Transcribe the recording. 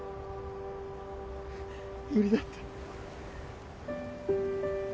無理だった。